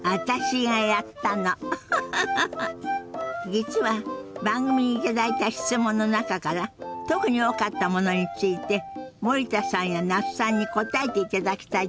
実は番組に頂いた質問の中から特に多かったものについて森田さんや那須さんに答えていただきたいと思って。